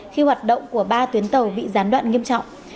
khi hoạt động của ba tuyến tàu bị gián đoạn nghiêm trọng